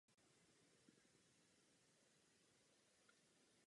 Gebauer ve své tvorbě vychází z konkrétní krajiny nebo jejího jednotlivého prvku.